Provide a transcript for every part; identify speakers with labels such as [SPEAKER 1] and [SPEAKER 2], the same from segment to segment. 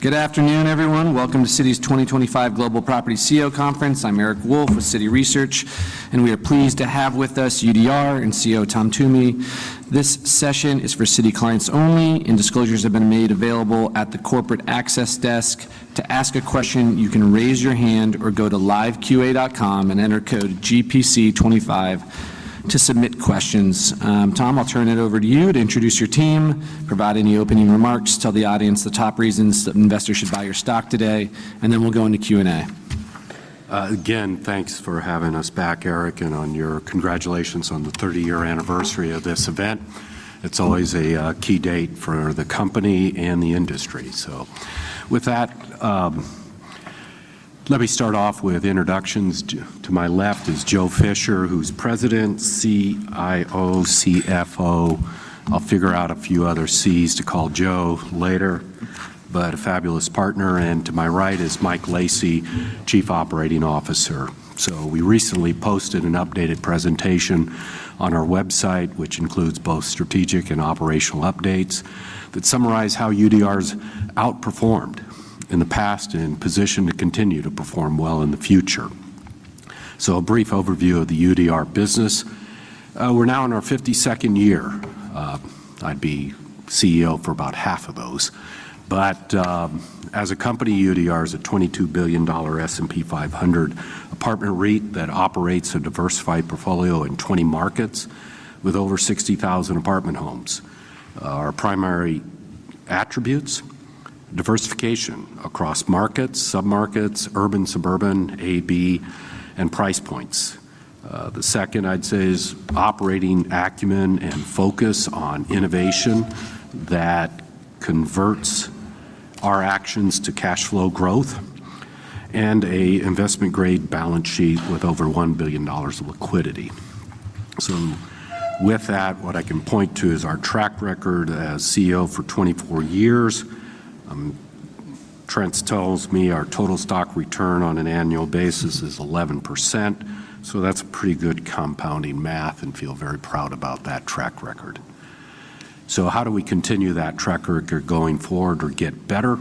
[SPEAKER 1] Good afternoon, everyone. Welcome to Citi's 2025 Global Property CEO Conference. I'm Eric Wolfe with Citi Research, and we are pleased to have with us UDR and CEO Tom Toomey. This session is for Citi clients only, and disclosures have been made available at the Corporate Access Desk. To ask a question, you can raise your hand or go to LiveQA.com and enter code GPC25 to submit questions. Tom, I'll turn it over to you to introduce your team, provide any opening remarks, tell the audience the top reasons that investors should buy your stock today, and then we'll go into Q&A.
[SPEAKER 2] Again, thanks for having us back, Eric, and our congratulations on the 30-year anniversary of this event. It's always a key date for the company and the industry. So with that, let me start off with introductions. To my left is Joe Fisher, who's President, CIO, CFO. I'll figure out a few other C's to call Joe later, but a fabulous partner. And to my right is Mike Lacy, Chief Operating Officer. So we recently posted an updated presentation on our website, which includes both strategic and operational updates that summarize how UDR has outperformed in the past and is in position to continue to perform well in the future. So a brief overview of the UDR business. We're now in our 52nd year. I've been CEO for about half of those. But as a company, UDR is a $22 billion S&P 500 apartment REIT that operates a diversified portfolio in 20 markets with over 60,000 apartment homes. Our primary attributes: diversification across markets, submarkets, urban, suburban, A, B, and price points. The second, I'd say, is operating acumen and focus on innovation that converts our actions to cash flow growth and an investment-grade balance sheet with over $1 billion of liquidity. So with that, what I can point to is our track record as CEO for 24 years. Trent tells me our total stock return on an annual basis is 11%. So that's pretty good compounding math and I feel very proud about that track record. So how do we continue that track record going forward or get better?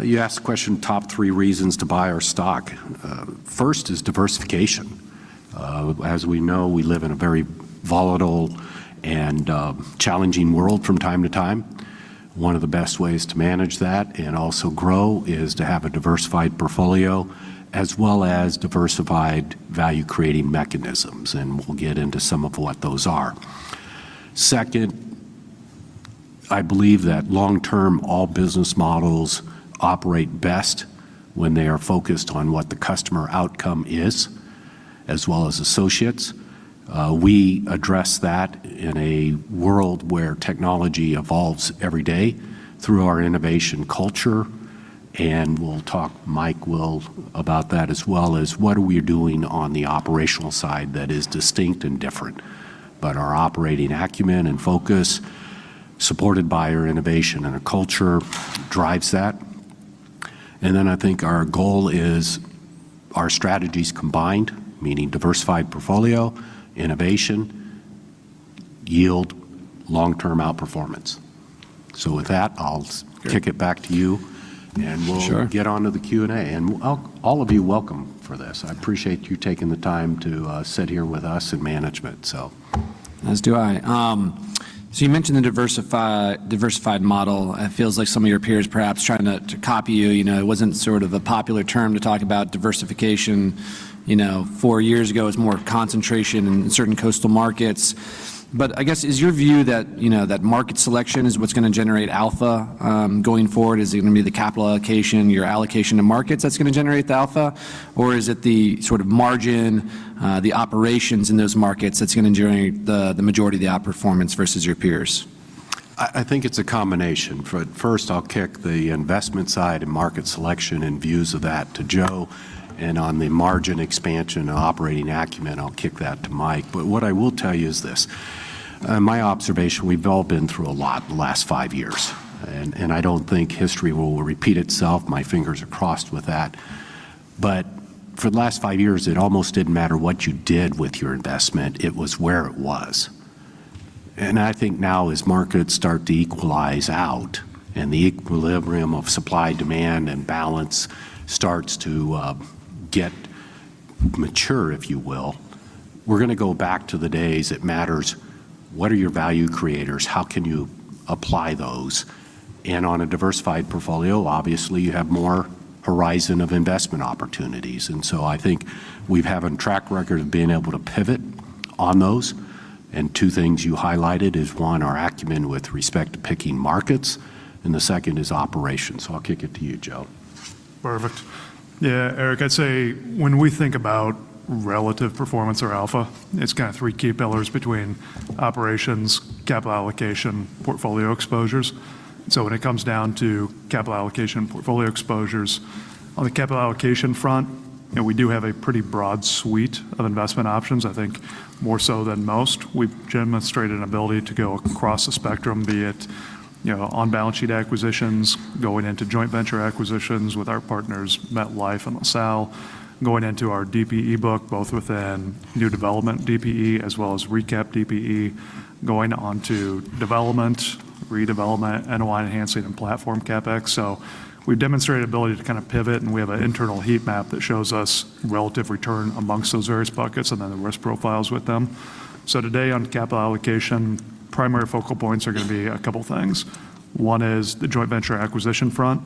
[SPEAKER 2] You asked the question, top three reasons to buy our stock. First is diversification. As we know, we live in a very volatile and challenging world from time to time. One of the best ways to manage that and also grow is to have a diversified portfolio as well as diversified value-creating mechanisms, and we'll get into some of what those are. Second, I believe that long-term, all business models operate best when they are focused on what the customer outcome is, as well as associates. We address that in a world where technology evolves every day through our innovation culture. And we'll talk, Mike will, about that as well as what are we doing on the operational side that is distinct and different. But our operating acumen and focus, supported by our innovation and our culture, drives that. And then I think our goal is our strategies combined, meaning diversified portfolio, innovation, yield, long-term outperformance. So with that, I'll kick it back to you, and we'll get on to the Q&A. And all of you, welcome for this. I appreciate you taking the time to sit here with us and management, so.
[SPEAKER 1] As do I. So you mentioned the diversified model. It feels like some of your peers perhaps trying to copy you. It wasn't sort of a popular term to talk about diversification. Four years ago, it was more concentration in certain coastal markets. But I guess, is your view that market selection is what's going to generate alpha going forward? Is it going to be the capital allocation, your allocation to markets that's going to generate the alpha? Or is it the sort of margin, the operations in those markets that's going to generate the majority of the outperformance versus your peers?
[SPEAKER 2] I think it's a combination. First, I'll kick the investment side and market selection and views of that to Joe. And on the margin expansion and operating acumen, I'll kick that to Mike. But what I will tell you is this: my observation, we've all been through a lot the last five years. And I don't think history will repeat itself. My fingers are crossed with that. But for the last five years, it almost didn't matter what you did with your investment. It was where it was. And I think now, as markets start to equalize out and the equilibrium of supply, demand, and balance starts to get mature, if you will, we're going to go back to the days it matters what are your value creators, how can you apply those. And on a diversified portfolio, obviously, you have more horizon of investment opportunities. And so I think we have a track record of being able to pivot on those. And two things you highlighted is, one, our acumen with respect to picking markets, and the second is operations. So I'll kick it to you, Joe.
[SPEAKER 3] Perfect. Yeah, Eric, I'd say when we think about relative performance or alpha, it's kind of three key pillars between operations, capital allocation, and portfolio exposures. So when it comes down to capital allocation and portfolio exposures, on the capital allocation front, we do have a pretty broad suite of investment options. I think more so than most, we've demonstrated an ability to go across the spectrum, be it on balance sheet acquisitions, going into joint venture acquisitions with our partners, MetLife and LaSalle, going into our DPE book, both within new development DPE as well as recap DPE, going on to development, redevelopment, NOI enhancing, and platform CapEx. So we've demonstrated an ability to kind of pivot, and we have an internal heat map that shows us relative return amongst those various buckets and then the risk profiles with them. So today, on capital allocation, primary focal points are going to be a couple of things. One is the joint venture acquisition front.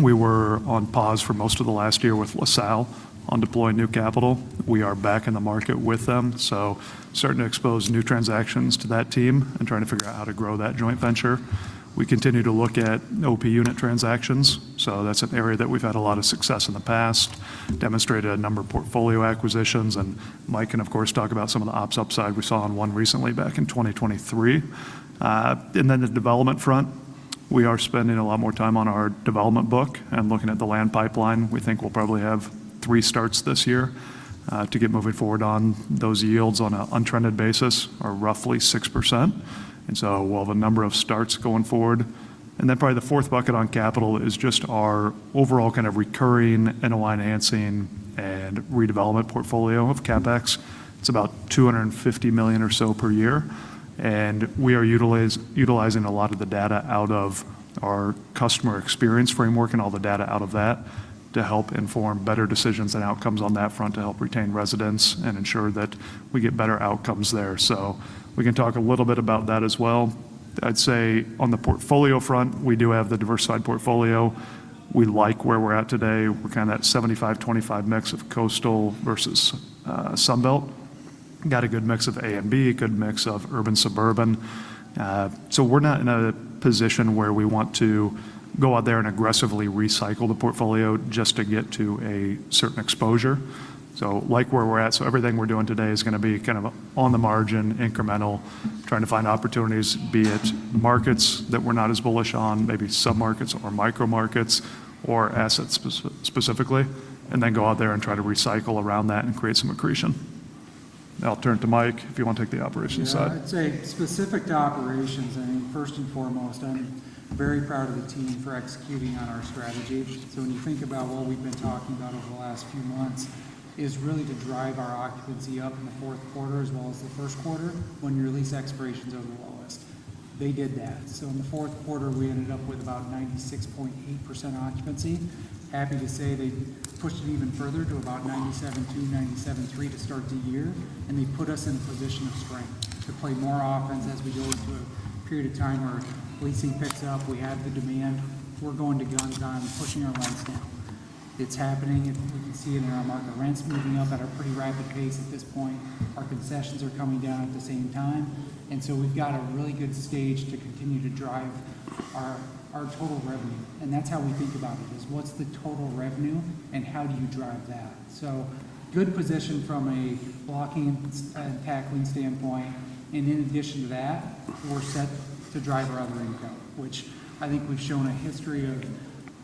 [SPEAKER 3] We were on pause for most of the last year with LaSalle on deploying new capital. We are back in the market with them. So starting to expose new transactions to that team and trying to figure out how to grow that joint venture. We continue to look at OP unit transactions. So that's an area that we've had a lot of success in the past, demonstrated a number of portfolio acquisitions. And Mike can, of course, talk about some of the ops upside we saw on one recently back in 2023. And then the development front, we are spending a lot more time on our development book and looking at the land pipeline. We think we'll probably have three starts this year to get moving forward on those yields on an untrended basis or roughly 6%, and so we'll have a number of starts going forward, and then probably the fourth bucket on capital is just our overall kind of recurring NOI enhancing and redevelopment portfolio of CapEx. It's about $250 million or so per year, and we are utilizing a lot of the data out of our customer experience framework and all the data out of that to help inform better decisions and outcomes on that front to help retain residents and ensure that we get better outcomes there, so we can talk a little bit about that as well. I'd say on the portfolio front, we do have the diversified portfolio. We like where we're at today. We're kind of that 75-25 mix of coastal versus Sunbelt. Got a good mix of A and B, a good mix of urban-suburban. So we're not in a position where we want to go out there and aggressively recycle the portfolio just to get to a certain exposure. So like where we're at, so everything we're doing today is going to be kind of on the margin, incremental, trying to find opportunities, be it markets that we're not as bullish on, maybe submarkets or micro-markets or assets specifically, and then go out there and try to recycle around that and create some accretion. I'll turn it to Mike if you want to take the operations side.
[SPEAKER 4] Yeah, I'd say specific to operations, I mean, first and foremost, I'm very proud of the team for executing on our strategy. So when you think about what we've been talking about over the last few months is really to drive our occupancy up in the fourth quarter as well as the first quarter when you release expirations over the lowest. They did that. So in the fourth quarter, we ended up with about 96.8% occupancy. Happy to say they pushed it even further to about 97.2%-97.3% to start the year. And they put us in a position of strength to play more offense as we go into a period of time where leasing picks up, we have the demand, we're going to gun time, pushing our lines down. It's happening. We can see it in our market rents moving up at a pretty rapid pace at this point. Our concessions are coming down at the same time, and so we've got a really good stage to continue to drive our total revenue. And that's how we think about it, is what's the total revenue and how do you drive that? So good position from a blocking and tackling standpoint, and in addition to that, we're set to drive our other income, which I think we've shown a history of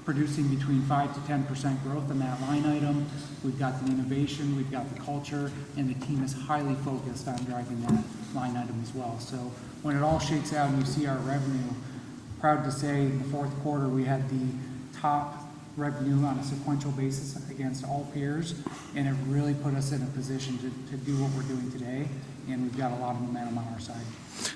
[SPEAKER 4] producing between 5%-10% growth in that line item. We've got the innovation, we've got the culture, and the team is highly focused on driving that line item as well. So when it all shakes out and you see our revenue, proud to say in the fourth quarter, we had the top revenue on a sequential basis against all peers, and it really put us in a position to do what we're doing today. We've got a lot of momentum on our side.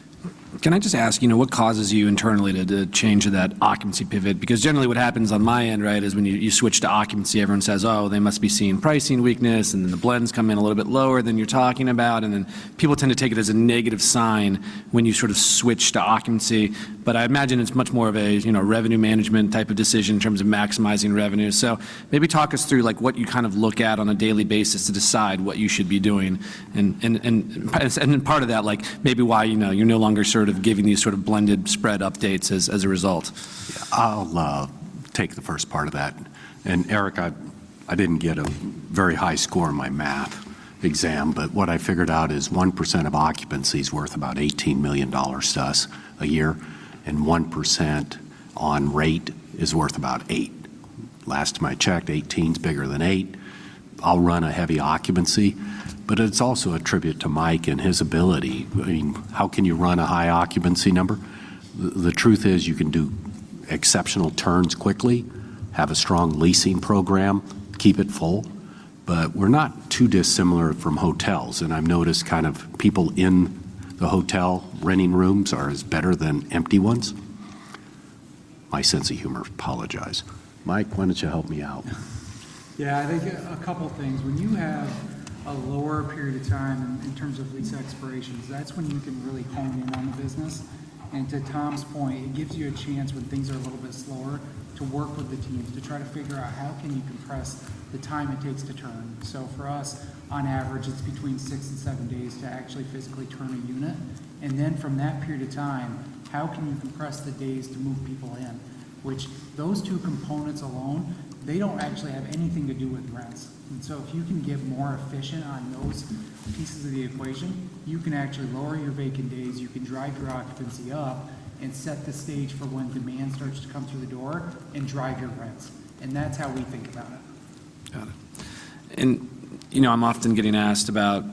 [SPEAKER 1] Can I just ask, what causes you internally to change that occupancy pivot? Because generally what happens on my end, right, is when you switch to occupancy, everyone says, "Oh, they must be seeing pricing weakness," and then the blends come in a little bit lower than you're talking about. And then people tend to take it as a negative sign when you sort of switch to occupancy. But I imagine it's much more of a revenue management type of decision in terms of maximizing revenue. So maybe talk us through what you kind of look at on a daily basis to decide what you should be doing. And part of that, maybe why you're no longer sort of giving these sort of blended spread updates as a result.
[SPEAKER 2] I'll take the first part of that. And Eric, I didn't get a very high score in my math exam, but what I figured out is 1% of occupancy is worth about $18 million a year, and 1% on rate is worth about 8. Last time I checked, 18 is bigger than 8. I'll run a heavy occupancy. But it's also a tribute to Mike and his ability. I mean, how can you run a high occupancy number? The truth is you can do exceptional turns quickly, have a strong leasing program, keep it full. But we're not too dissimilar from hotels. And I've noticed kind of people in the hotel renting rooms are as better than empty ones. My sense of humor, apologize. Mike, why don't you help me out?
[SPEAKER 4] Yeah, I think a couple of things. When you have a lower period of time in terms of lease expirations, that's when you can really hone in on the business. And to Tom's point, it gives you a chance when things are a little bit slower to work with the teams to try to figure out how can you compress the time it takes to turn. So for us, on average, it's between six and seven days to actually physically turn a unit. And then from that period of time, how can you compress the days to move people in? Which those two components alone, they don't actually have anything to do with rents. So if you can get more efficient on those pieces of the equation, you can actually lower your vacant days, you can drive your occupancy up, and set the stage for when demand starts to come through the door and drive your rents. That's how we think about it.
[SPEAKER 1] Got it. And I'm often getting asked about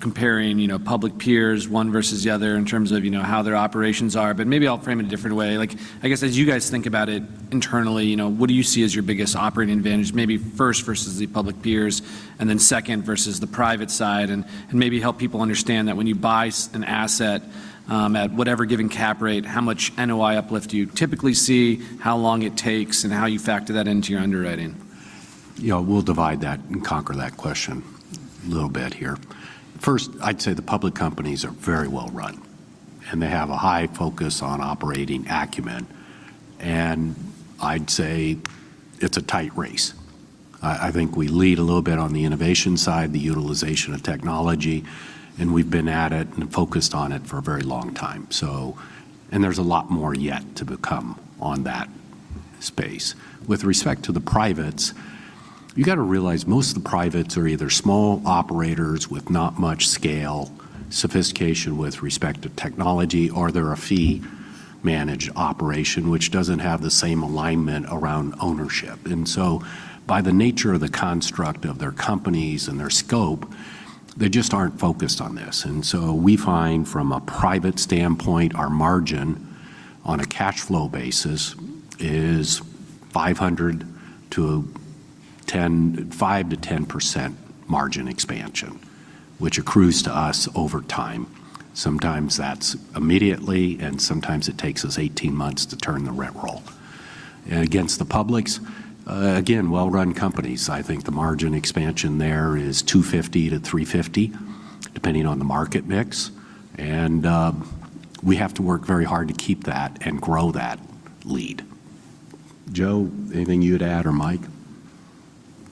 [SPEAKER 1] comparing public peers, one versus the other in terms of how their operations are. But maybe I'll frame it a different way. I guess as you guys think about it internally, what do you see as your biggest operating advantage, maybe first versus the public peers, and then second versus the private side? And maybe help people understand that when you buy an asset at whatever given cap rate, how much NOI uplift do you typically see, how long it takes, and how you factor that into your underwriting.
[SPEAKER 2] Yeah, we'll divide that and conquer that question a little bit here. First, I'd say the public companies are very well run, and they have a high focus on operating acumen, and I'd say it's a tight race. I think we lead a little bit on the innovation side, the utilization of technology, and we've been at it and focused on it for a very long time, and there's a lot more yet to become on that space. With respect to the privates, you got to realize most of the privates are either small operators with not much scale, sophistication with respect to technology, or they're a fee-managed operation, which doesn't have the same alignment around ownership, and so by the nature of the construct of their companies and their scope, they just aren't focused on this. We find from a private standpoint, our margin on a cash flow basis is 5%-10% margin expansion, which accrues to us over time. Sometimes that's immediately, and sometimes it takes us 18 months to turn the rent roll. Against the publics, again, well-run companies, I think the margin expansion there is 250-350, depending on the market mix. We have to work very hard to keep that and grow that lead. Joe, anything you'd add or Mike?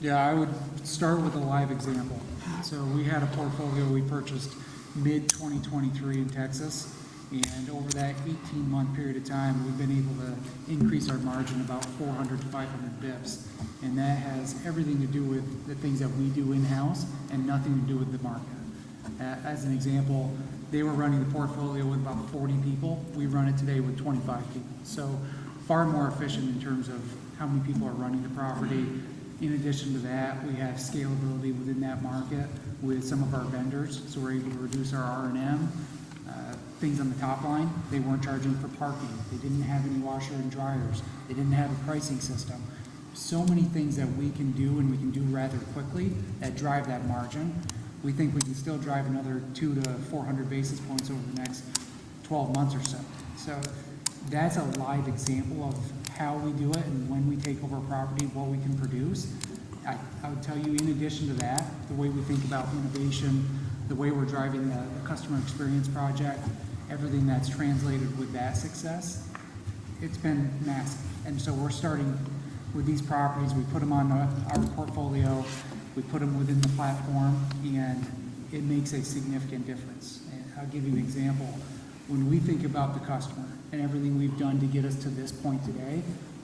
[SPEAKER 4] Yeah, I would start with a live example. So we had a portfolio we purchased mid-2023 in Texas. And over that 18-month period of time, we've been able to increase our margin about 400 to 500 basis points. And that has everything to do with the things that we do in-house and nothing to do with the market. As an example, they were running the portfolio with about 40 people. We run it today with 25 people. So far more efficient in terms of how many people are running the property. In addition to that, we have scalability within that market with some of our vendors. So we're able to reduce our R&M, things on the top line. They weren't charging for parking. They didn't have any washer and dryers. They didn't have a pricing system. So many things that we can do and we can do rather quickly that drive that margin. We think we can still drive another two to 400 basis points over the next 12 months or so. So that's a live example of how we do it and when we take over property, what we can produce. I would tell you, in addition to that, the way we think about innovation, the way we're driving the customer experience project, everything that's translated with that success, it's been massive. And so we're starting with these properties. We put them on our portfolio. We put them within the platform, and it makes a significant difference. And I'll give you an example. When we think about the customer and everything we've done to get us to this point today,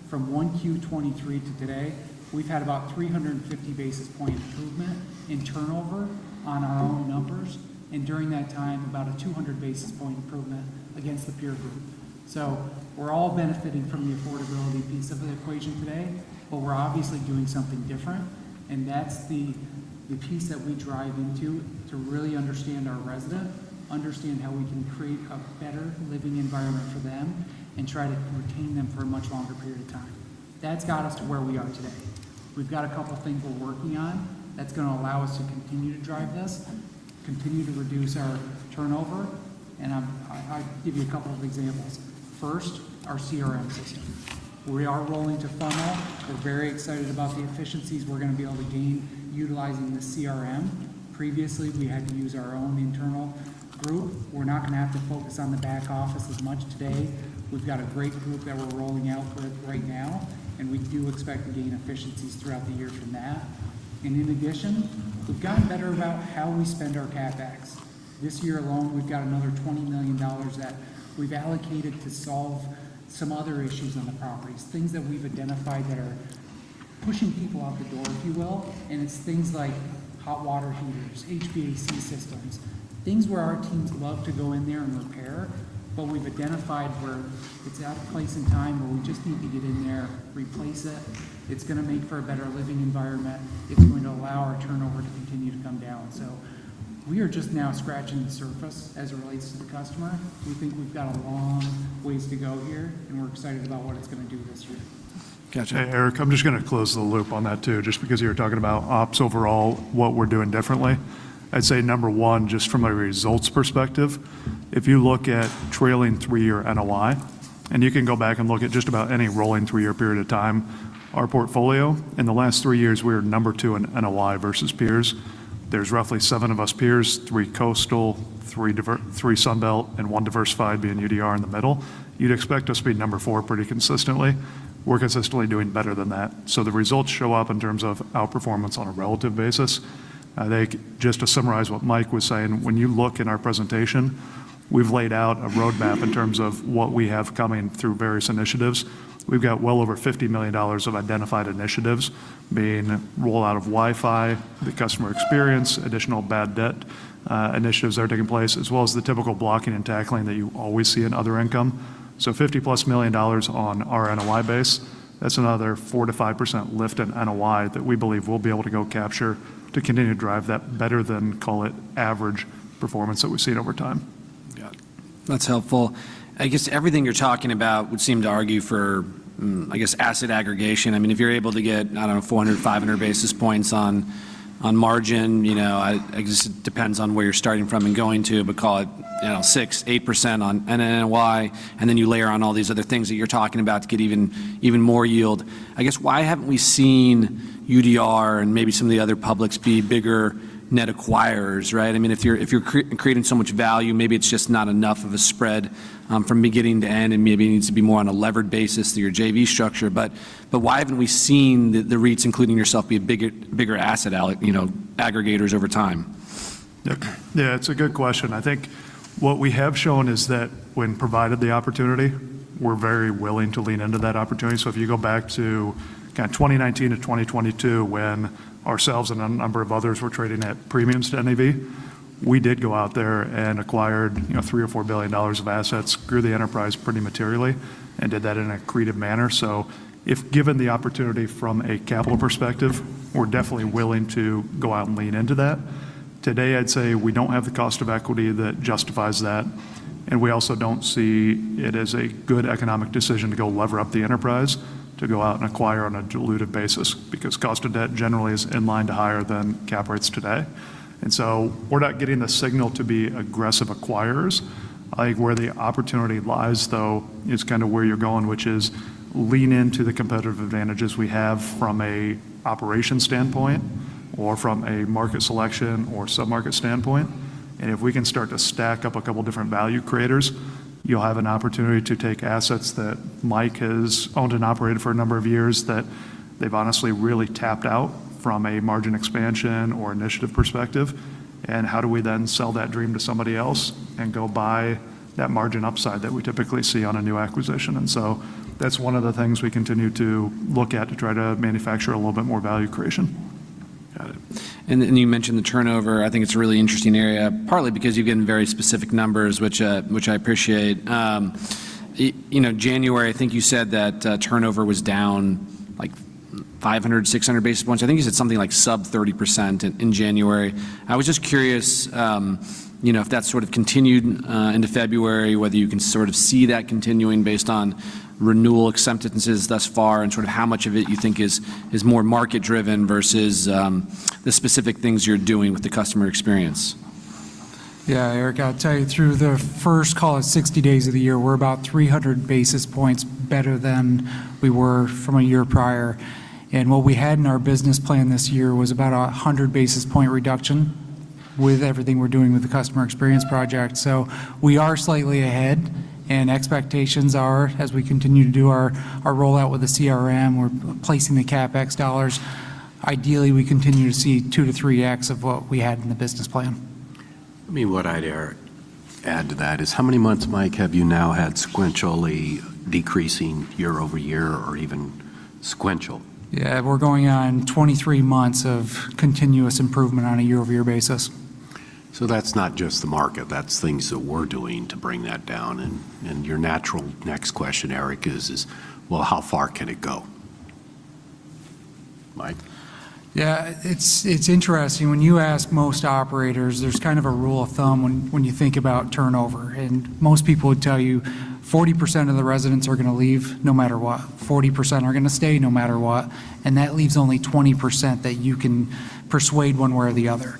[SPEAKER 4] from Q1 2023 to today, we've had about 350 basis point improvement in turnover on our own numbers, and during that time, about a 200 basis point improvement against the peer group. We're all benefiting from the affordability piece of the equation today, but we're obviously doing something different, and that's the piece that we drive into to really understand our resident, understand how we can create a better living environment for them and try to retain them for a much longer period of time. That's got us to where we are today. We've got a couple of things we're working on that's going to allow us to continue to drive this, continue to reduce our turnover, and I'll give you a couple of examples. First, our CRM system. We are rolling to Funnel. We're very excited about the efficiencies we're going to be able to gain utilizing the CRM. Previously, we had to use our own internal group. We're not going to have to focus on the back office as much today. We've got a great group that we're rolling out with right now, and we do expect to gain efficiencies throughout the year from that. And in addition, we've gotten better about how we spend our CapEx. This year alone, we've got another $20 million that we've allocated to solve some other issues on the properties, things that we've identified that are pushing people out the door, if you will. And it's things like hot water heaters, HVAC systems, things where our teams love to go in there and repair, but we've identified where it's at a place in time where we just need to get in there, replace it. It's going to make for a better living environment. It's going to allow our turnover to continue to come down. So we are just now scratching the surface as it relates to the customer. We think we've got a long ways to go here, and we're excited about what it's going to do this year.
[SPEAKER 3] Gotcha. Eric, I'm just going to close the loop on that too. Just because you were talking about ops overall, what we're doing differently, I'd say number one, just from a results perspective, if you look at trailing three-year NOI, and you can go back and look at just about any rolling three-year period of time, our portfolio, in the last three years, we were number two in NOI versus peers. There's roughly seven of us peers, three coastal, three Sunbelt, and one diversified being UDR in the middle. You'd expect us to be number four pretty consistently. We're consistently doing better than that. So the results show up in terms of our performance on a relative basis. Just to summarize what Mike was saying, when you look in our presentation, we've laid out a roadmap in terms of what we have coming through various initiatives. We've got well over $50 million of identified initiatives, being rollout of Wi-Fi, the customer experience, additional bad debt initiatives that are taking place, as well as the typical blocking and tackling that you always see in other income. So $50-plus million on our NOI base. That's another 4%-5% lift in NOI that we believe we'll be able to go capture to continue to drive that better than call it average performance that we've seen over time.
[SPEAKER 1] Yeah. That's helpful. I guess everything you're talking about would seem to argue for, I guess, asset aggregation. I mean, if you're able to get, I don't know, 400-500 basis points on margin, I guess it depends on where you're starting from and going to, but call it 6%-8% on NOI, and then you layer on all these other things that you're talking about to get even more yield. I guess why haven't we seen UDR and maybe some of the other publics be bigger net acquirers, right? I mean, if you're creating so much value, maybe it's just not enough of a spread from beginning to end and maybe needs to be more on a levered basis through your JV structure. But why haven't we seen the REITs, including yourself, be bigger asset aggregators over time?
[SPEAKER 3] Yeah, it's a good question. I think what we have shown is that when provided the opportunity, we're very willing to lean into that opportunity. So if you go back to kind of 2019 to 2022, when ourselves and a number of others were trading at premiums to NAV, we did go out there and acquired $3 billion or $4 billion of assets, grew the enterprise pretty materially, and did that in a creative manner. So if given the opportunity from a capital perspective, we're definitely willing to go out and lean into that. Today, I'd say we don't have the cost of equity that justifies that. And we also don't see it as a good economic decision to go lever up the enterprise to go out and acquire on a diluted basis because cost of debt generally is in line to higher than cap rates today. And so we're not getting the signal to be aggressive acquirers. I think where the opportunity lies, though, is kind of where you're going, which is lean into the competitive advantages we have from an operation standpoint or from a market selection or sub-market standpoint. And if we can start to stack up a couple of different value creators, you'll have an opportunity to take assets that Mike has owned and operated for a number of years that they've honestly really tapped out from a margin expansion or initiative perspective. And how do we then sell that dream to somebody else and go buy that margin upside that we typically see on a new acquisition? And so that's one of the things we continue to look at to try to manufacture a little bit more value creation.
[SPEAKER 1] Got it. And then you mentioned the turnover. I think it's a really interesting area, partly because you've given very specific numbers, which I appreciate. January, I think you said that turnover was down like 500, 600 basis points. I think you said something like sub 30% in January. I was just curious if that sort of continued into February, whether you can sort of see that continuing based on renewal acceptances thus far and sort of how much of it you think is more market-driven versus the specific things you're doing with the customer experience.
[SPEAKER 4] Yeah, Eric, I'll tell you, through the first, call it 60 days of the year, we're about 300 basis points better than we were from a year prior. And what we had in our business plan this year was about a 100 basis point reduction with everything we're doing with the customer experience project. So we are slightly ahead. And expectations are, as we continue to do our rollout with the CRM, we're placing the CapEx dollars. Ideally, we continue to see 2x to 3x of what we had in the business plan.
[SPEAKER 1] Let me add to that is how many months, Mike, have you now had sequentially decreasing year-over-year or even sequential?
[SPEAKER 4] Yeah, we're going on 23 months of continuous improvement on a year-over-year basis.
[SPEAKER 2] So that's not just the market. That's things that we're doing to bring that down. And your natural next question, Eric, is, well, how far can it go? Mike?
[SPEAKER 4] Yeah, it's interesting. When you ask most operators, there's kind of a rule of thumb when you think about turnover. And most people would tell you 40% of the residents are going to leave no matter what. 40% are going to stay no matter what. And that leaves only 20% that you can persuade one way or the other.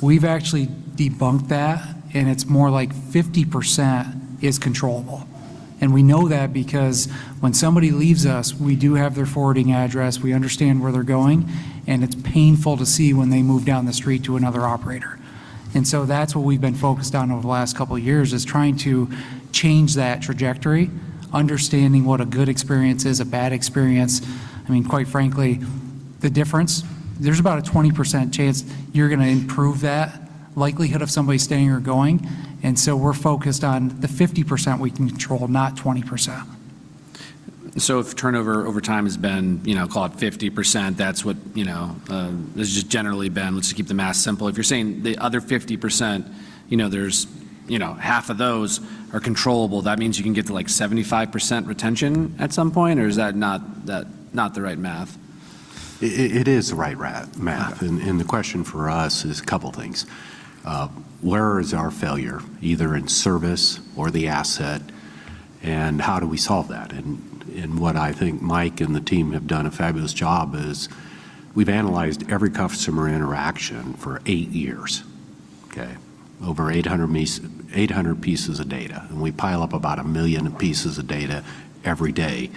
[SPEAKER 4] We've actually debunked that, and it's more like 50% is controllable. And we know that because when somebody leaves us, we do have their forwarding address. We understand where they're going. And it's painful to see when they move down the street to another operator. And so that's what we've been focused on over the last couple of years is trying to change that trajectory, understanding what a good experience is, a bad experience. I mean, quite frankly, the difference, there's about a 20% chance you're going to improve that likelihood of somebody staying or going. And so we're focused on the 50% we can control, not 20%.
[SPEAKER 1] So if turnover over time has been, call it 50%, that's what it's just generally been. Let's just keep the math simple. If you're saying the other 50%, there's half of those are controllable. That means you can get to like 75% retention at some point, or is that not the right math?
[SPEAKER 2] It is the right math. And the question for us is a couple of things. Where is our failure, either in service or the asset? And how do we solve that? And what I think Mike and the team have done a fabulous job is we've analyzed every customer interaction for eight years, okay, over 800 pieces of data. And we pile up about a million pieces of data every day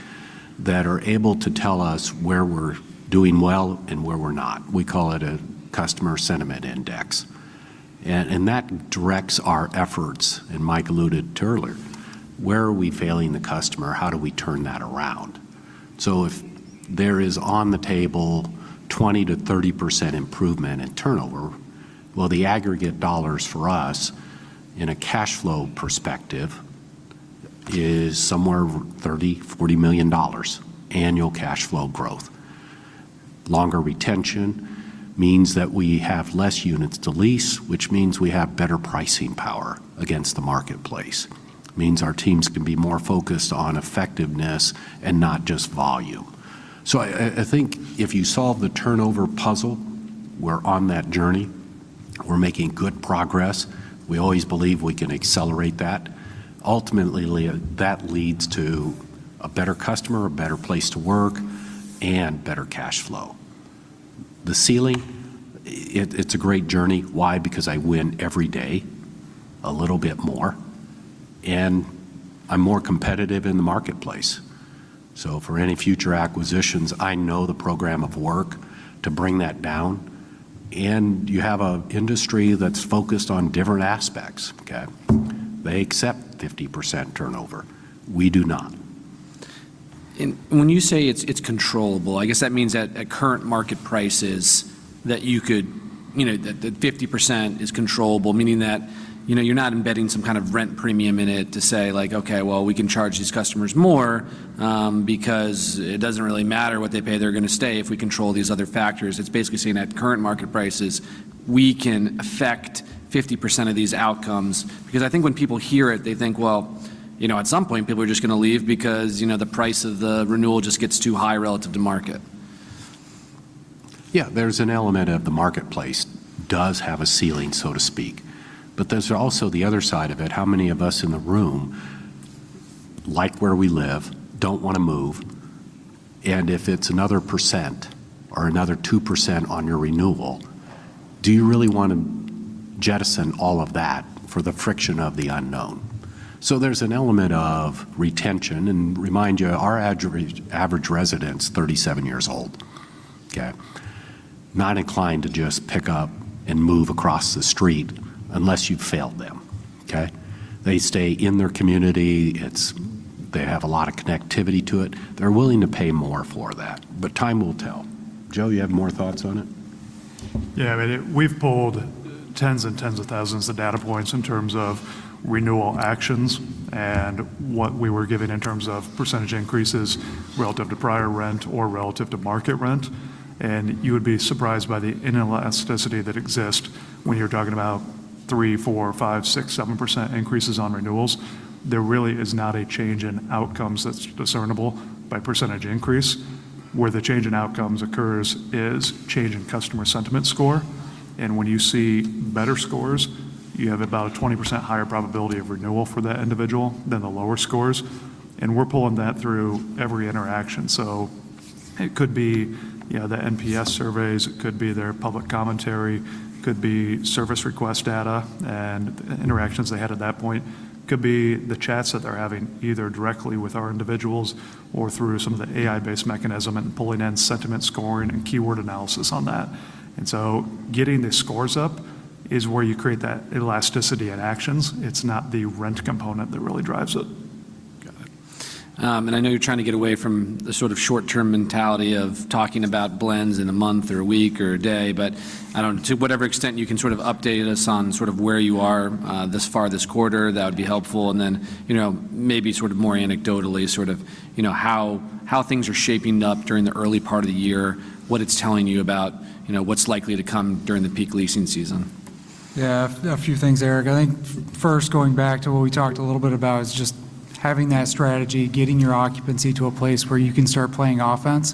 [SPEAKER 2] that are able to tell us where we're doing well and where we're not. We call it a customer sentiment index. And that directs our efforts. And Mike alluded to earlier, where are we failing the customer? How do we turn that around? So if there is on the table 20%-30% improvement in turnover, well, the aggregate dollars for us in a cash flow perspective is somewhere $30 million-$40 million annual cash flow growth. Longer retention means that we have less units to lease, which means we have better pricing power against the marketplace. Means our teams can be more focused on effectiveness and not just volume. So I think if you solve the turnover puzzle, we're on that journey. We're making good progress. We always believe we can accelerate that. Ultimately, that leads to a better customer, a better place to work, and better cash flow. The ceiling, it's a great journey. Why? Because I win every day a little bit more. And I'm more competitive in the marketplace. So for any future acquisitions, I know the program of work to bring that down. And you have an industry that's focused on different aspects, okay? They accept 50% turnover. We do not.
[SPEAKER 1] And when you say it's controllable. I guess that means at current market prices that you could, that 50% is controllable. Meaning that you're not embedding some kind of rent premium in it to say like, okay, well, we can charge these customers more because it doesn't really matter what they pay. They're going to stay if we control these other factors. It's basically saying at current market prices, we can affect 50% of these outcomes. Because I think when people hear it, they think, well, at some point, people are just going to leave because the price of the renewal just gets too high relative to market.
[SPEAKER 2] Yeah, there's an element of the marketplace does have a ceiling, so to speak. But there's also the other side of it. How many of us in the room, like where we live, don't want to move? And if it's another percent or another 2% on your renewal, do you really want to jettison all of that for the friction of the unknown? So there's an element of retention. And remind you, our average resident's 37 years old, okay? Not inclined to just pick up and move across the street unless you've failed them, okay? They stay in their community. They have a lot of connectivity to it. They're willing to pay more for that. But time will tell. Joe, you have more thoughts on it?
[SPEAKER 3] Yeah, I mean, we've pulled tens and tens of thousands of data points in terms of renewal actions and what we were given in terms of percentage increases relative to prior rent or relative to market rent. And you would be surprised by the inelasticity that exists when you're talking about 3%, 4%, 5%, 6%, 7% increases on renewals. There really is not a change in outcomes that's discernible by percentage increase. Where the change in outcomes occurs is change in customer sentiment score. And when you see better scores, you have about a 20% higher probability of renewal for that individual than the lower scores. And we're pulling that through every interaction. So it could be the NPS surveys. It could be their public commentary. It could be service request data and interactions they had at that point. It could be the chats that they're having either directly with our individuals or through some of the AI-based mechanism and pulling in sentiment scoring and keyword analysis on that. And so getting the scores up is where you create that elasticity in actions. It's not the rent component that really drives it.
[SPEAKER 1] Got it, and I know you're trying to get away from the sort of short-term mentality of talking about blends in a month or a week or a day. But I don't know to whatever extent you can sort of update us on sort of where you are this far, this quarter, that would be helpful, and then maybe sort of more anecdotally, sort of how things are shaping up during the early part of the year, what it's telling you about what's likely to come during the peak leasing season.
[SPEAKER 4] Yeah, a few things, Eric. I think first, going back to what we talked a little bit about is just having that strategy, getting your occupancy to a place where you can start playing offense.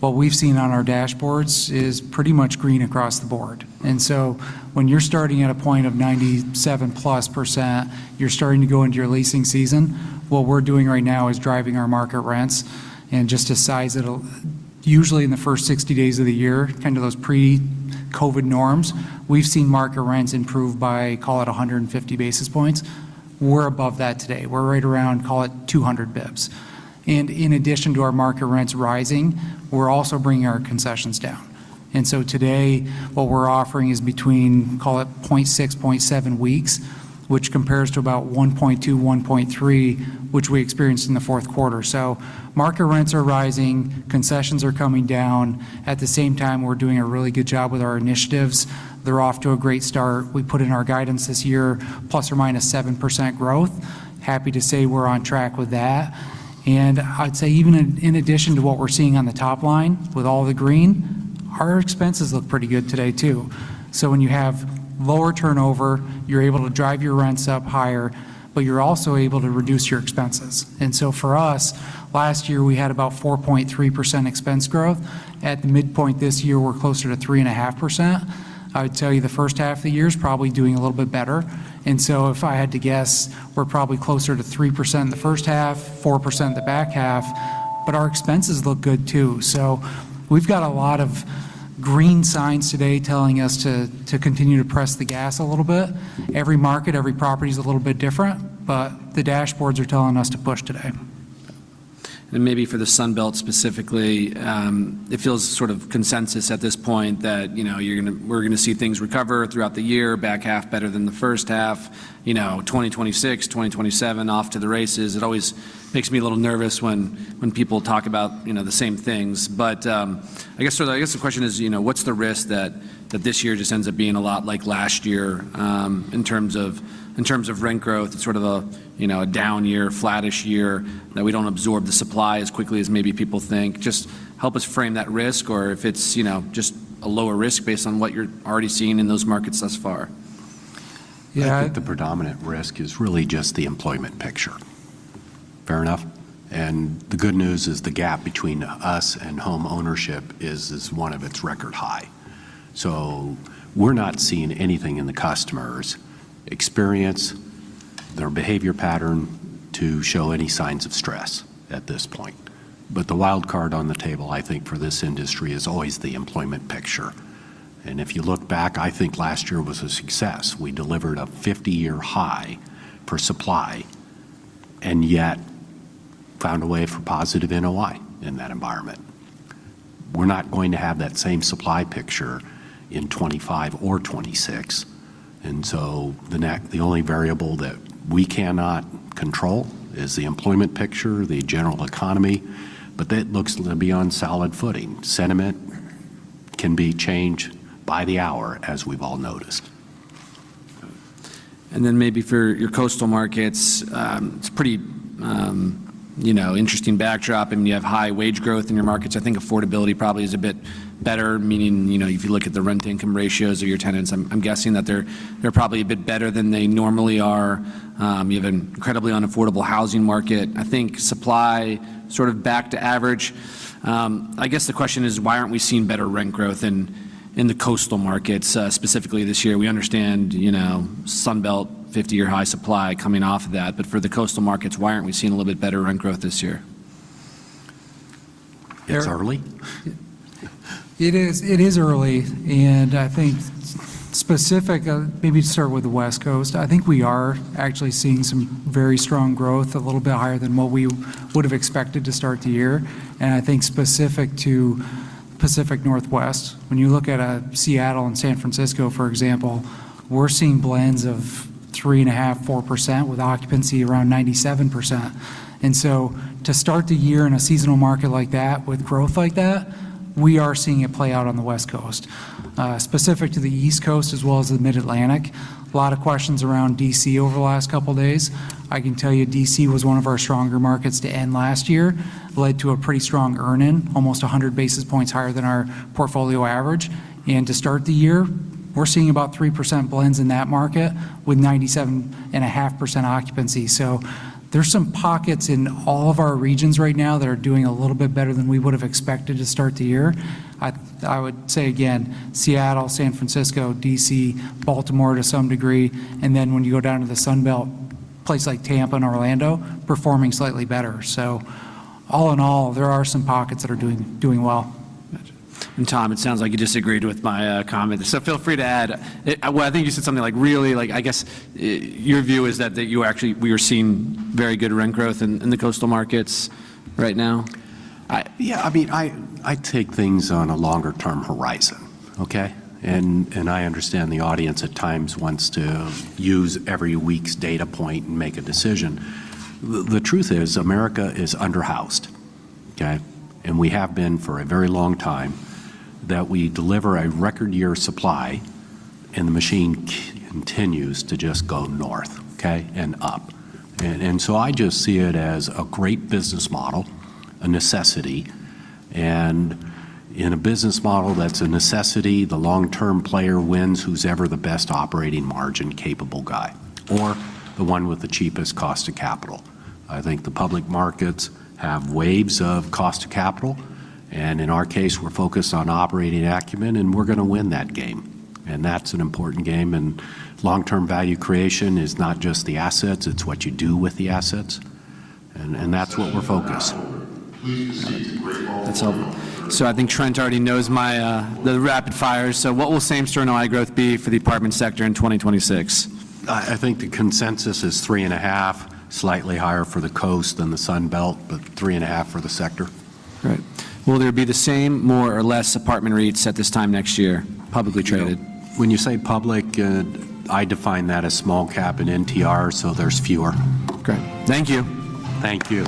[SPEAKER 4] What we've seen on our dashboards is pretty much green across the board. And so when you're starting at a point of 97-plus%, you're starting to go into your leasing season. What we're doing right now is driving our market rents. And just to size it, usually in the first 60 days of the year, kind of those pre-COVID norms, we've seen market rents improve by, call it, 150 basis points. We're above that today. We're right around, call it, 200 basis points. And in addition to our market rents rising, we're also bringing our concessions down. And so today, what we're offering is between, call it, 0.6-0.7 weeks, which compares to about 1.2-1.3, which we experienced in the fourth quarter. So market rents are rising. Concessions are coming down. At the same time, we're doing a really good job with our initiatives. They're off to a great start. We put in our guidance this year, plus or minus 7% growth. Happy to say we're on track with that. And I'd say even in addition to what we're seeing on the top line with all the green, our expenses look pretty good today too. So when you have lower turnover, you're able to drive your rents up higher, but you're also able to reduce your expenses. And so for us, last year, we had about 4.3% expense growth. At the midpoint this year, we're closer to 3.5%. I would tell you the first half of the year is probably doing a little bit better, and so if I had to guess, we're probably closer to 3% in the first half, 4% in the back half, but our expenses look good too, so we've got a lot of green signs today telling us to continue to press the gas a little bit. Every market, every property is a little bit different, but the dashboards are telling us to push today.
[SPEAKER 1] And maybe for the Sunbelt specifically, it feels sort of consensus at this point that we're going to see things recover throughout the year, back half better than the first half, 2026, 2027, off to the races. It always makes me a little nervous when people talk about the same things. But I guess the question is, what's the risk that this year just ends up being a lot like last year in terms of rent growth? It's sort of a down year, flattish year that we don't absorb the supply as quickly as maybe people think. Just help us frame that risk or if it's just a lower risk based on what you're already seeing in those markets thus far.
[SPEAKER 2] Yeah, I think the predominant risk is really just the employment picture. Fair enough? And the good news is the gap between us and homeownership is one of its record high. So we're not seeing anything in the customer's experience, their behavior pattern to show any signs of stress at this point. But the wild card on the table, I think for this industry, is always the employment picture. And if you look back, I think last year was a success. We delivered a 50-year high for supply and yet found a way for positive NOI in that environment. We're not going to have that same supply picture in 2025 or 2026. And so the only variable that we cannot control is the employment picture, the general economy, but that looks to be on solid footing. Sentiment can be changed by the hour, as we've all noticed.
[SPEAKER 1] And then maybe for your coastal markets, it's a pretty interesting backdrop. I mean, you have high wage growth in your markets. I think affordability probably is a bit better, meaning if you look at the rent income ratios of your tenants, I'm guessing that they're probably a bit better than they normally are. You have an incredibly unaffordable housing market. I think supply sort of back to average. I guess the question is, why aren't we seeing better rent growth in the coastal markets specifically this year? We understand Sunbelt 50-year high supply coming off of that. But for the coastal markets, why aren't we seeing a little bit better rent growth this year?
[SPEAKER 2] It's early.
[SPEAKER 4] It is early, and I think specifically, maybe to start with the West Coast, I think we are actually seeing some very strong growth, a little bit higher than what we would have expected to start the year. And I think specifically to the Pacific Northwest, when you look at Seattle and San Francisco, for example, we're seeing blends of 3.5%-4% with occupancy around 97%. And so to start the year in a seasonal market like that with growth like that, we are seeing it play out on the West Coast. Specifically to the East Coast as well as the Mid-Atlantic, a lot of questions around DC over the last couple of days. I can tell you DC was one of our stronger markets to end last year, led to a pretty strong earnings, almost 100 basis points higher than our portfolio average. To start the year, we're seeing about 3% blends in that market with 97.5% occupancy. There are some pockets in all of our regions right now that are doing a little bit better than we would have expected to start the year. I would say again, Seattle, San Francisco, DC, Baltimore to some degree. When you go down to the Sunbelt, places like Tampa and Orlando, performing slightly better. All in all, there are some pockets that are doing well.
[SPEAKER 1] Gotcha. And Tom, it sounds like you disagreed with my comment. So feel free to add. Well, I think you said something like really, I guess your view is that we are seeing very good rent growth in the coastal markets right now.
[SPEAKER 2] Yeah, I mean, I take things on a longer-term horizon, okay? And I understand the audience at times wants to use every week's data point and make a decision. The truth is America is underhoused, okay? And we have been for a very long time that we deliver a record year supply and the machine continues to just go north, okay? And up. And so I just see it as a great business model, a necessity. And in a business model that's a necessity, the long-term player wins who's ever the best operating margin capable guy or the one with the cheapest cost of capital. I think the public markets have waves of cost of capital. And in our case, we're focused on operating acumen, and we're going to win that game. And that's an important game. Long-term value creation is not just the assets, it's what you do with the assets. That's what we're focused.
[SPEAKER 1] So I think Trent already knows the rapid fires. So what will same-store NOI growth be for the apartment sector in 2026?
[SPEAKER 2] I think the consensus is 3.5, slightly higher for the coast than the Sunbelt, but 3.5 for the sector.
[SPEAKER 1] Great. Will there be the same, more or less, apartment rates at this time next year, publicly traded?
[SPEAKER 2] When you say public, I define that as small cap and NTR, so there's fewer.
[SPEAKER 1] Great. Thank you.
[SPEAKER 2] Thank you.